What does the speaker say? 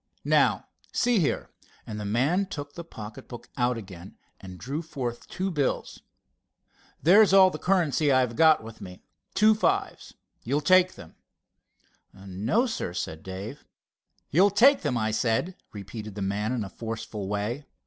Now, see here," and the man took the pocket book out again and drew forth two bills. "There's all the currency I've got with me—two fives. You'll take them." "No, sir," began Dave. "You'll take them, I said," repeated the man in a forceful way.